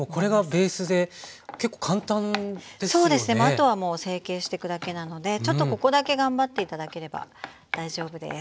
あとはもう成形してくだけなのでちょっとここだけ頑張って頂ければ大丈夫です。